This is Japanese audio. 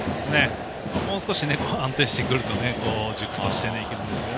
もう少し安定してくると軸として生きるんですけど。